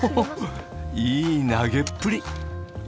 いい投げっぷり！